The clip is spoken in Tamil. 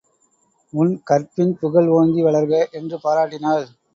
உன் கற்பின் புகழ் ஓங்கி வளர்க! என்று பாராட்டினாள்.